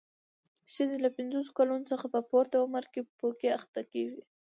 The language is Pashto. ښځې له پنځوسو کلونو څخه په پورته عمر کې پوکي اخته کېږي.